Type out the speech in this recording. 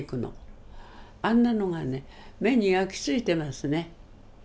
あんなのがね目に焼きついてますね。